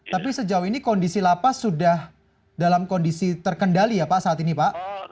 tapi sejauh ini kondisi lapas sudah dalam kondisi terkendali ya pak saat ini pak